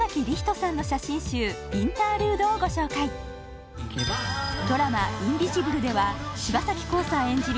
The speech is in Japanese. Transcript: さんの写真集「Ｉｎｔｅｒｌｕｄｅ」をご紹介ドラマ「インビジブル」では柴咲コウさん演じる